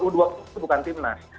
u dua puluh itu bukan timnas